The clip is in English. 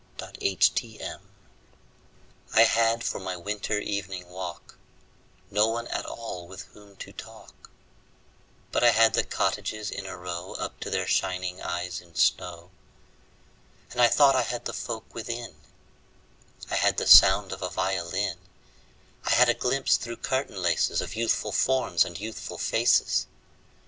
Good Hours I HAD for my winter evening walk No one at all with whom to talk, But I had the cottages in a row Up to their shining eyes in snow. And I thought I had the folk within: I had the sound of a violin; I had a glimpse through curtain laces Of youthful forms and youthful faces.